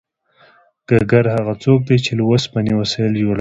ګګر هغه څوک دی چې له اوسپنې وسایل جوړوي